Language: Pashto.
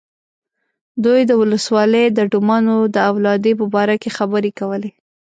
دوی د ولسوالۍ د ډمانو د اولادې په باره کې خبرې کولې.